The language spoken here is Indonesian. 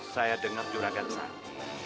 saya denger juragan saat ini